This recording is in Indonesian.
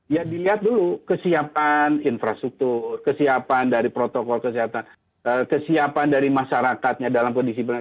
ya dilihat dulu kesiapan infrastruktur kesiapan dari protokol kesehatan kesiapan dari masyarakatnya dalam kondisi benar